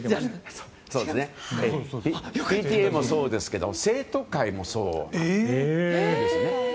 ＰＴＡもそうですけど生徒会もそうです。